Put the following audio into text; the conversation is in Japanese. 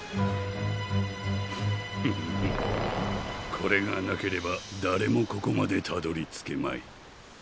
これがなければだれもここまでたどりつけまい。